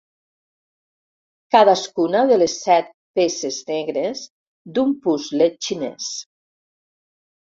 Cadascuna de les set peces negres d'un puzle xinès.